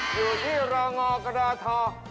อยู่ที่รงอกระดาษฐอ